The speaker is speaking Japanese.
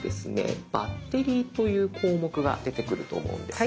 「バッテリー」という項目が出てくると思うんです。